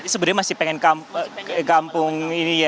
sebenarnya masih pengen kampung ini ya